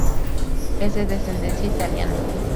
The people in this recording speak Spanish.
Es de descendencia italiana.